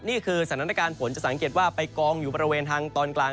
นี่คือสถานการณ์ฝนจะสังเกตว่าไปกองอยู่บริเวณทางตอนกลาง